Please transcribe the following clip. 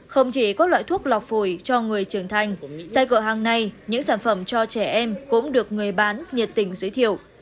không chỉ các loại thuốc lọc phổi cho người trưởng thành tại cửa hàng này những sản phẩm cho trẻ em cũng được người bán nhiệt tình giới thiệu